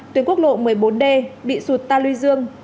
tuyến quốc lộ một mươi bốn d bị sụt ta lưu dương